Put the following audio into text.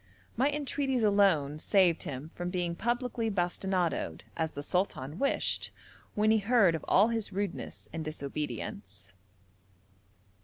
My entreaties alone saved him from being publicly bastinadoed, as the sultan wished, when he heard of all his rudeness and disobedience.